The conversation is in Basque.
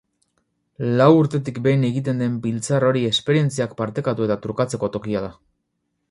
Lau urtetik behin egiten den biltzar hori esperientziak partekatu eta trukatzeko tokia da.